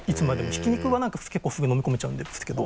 ひき肉はなんか結構すぐ飲み込めちゃうんですけど。